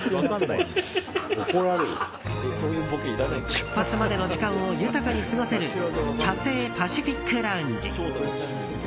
出発までの時間を豊かに過ごせるキャセイパシフィック・ラウンジ。